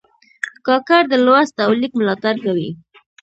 کاکړ د لوست او لیک ملاتړ کوي.